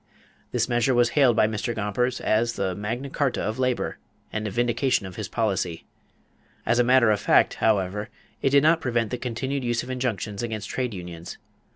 This measure was hailed by Mr. Gompers as the "Magna Carta of Labor" and a vindication of his policy. As a matter of fact, however, it did not prevent the continued use of injunctions against trade unions.